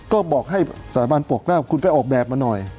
ก็บอกให้สถาบันปกเกล้าคุณไปออกแบบมาหน่อย